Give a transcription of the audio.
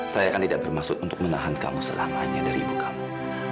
saya kan tidak bermaksud untuk menahan kamu selamanya dari ibu kamu